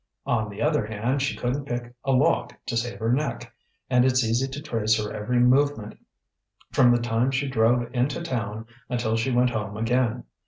On the other hand she couldn't pick a lock to save her neck, and it's easy to trace her every movement from the time she drove into town until she went home again.